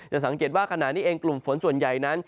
สังเกตว่าขณะนี้เองกลุ่มฝนส่วนใหญ่นั้น